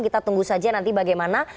kita tunggu saja nanti bagaimana